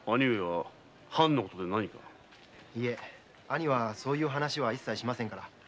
兄はそういう話は何もしませんから。